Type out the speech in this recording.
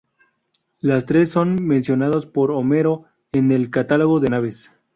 Las tres son mencionadas por Homero en el "Catálogo de naves".